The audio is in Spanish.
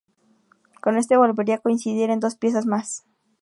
Con este volvería a coincidir en dos piezas más.